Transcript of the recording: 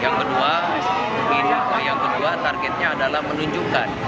yang kedua yang kedua targetnya adalah menunjukkan